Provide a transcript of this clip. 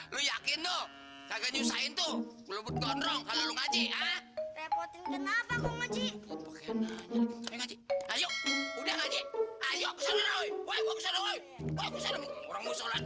lu yakin tuh agak nyusahin tuh lebut gondrong kalau ngaji repotin kenapa mau ngaji ayo ayo